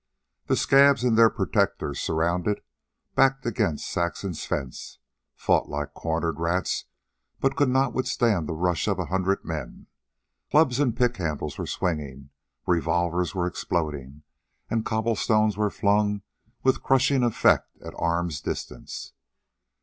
The scabs and their protectors, surrounded, backed against Saxon's fence, fought like cornered rats, but could not withstand the rush of a hundred men. Clubs and pick handles were swinging, revolvers were exploding, and cobblestones were flung with crushing effect at arm's distance.